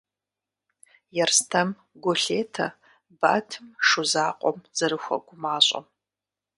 Ерстэм гу лъетэ Батым Шу закъуэм зэрыхуэгумащӏэм.